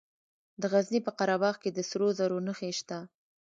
د غزني په قره باغ کې د سرو زرو نښې شته.